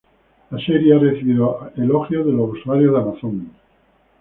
La serie ha recibido elogios de los usuarios de Amazon.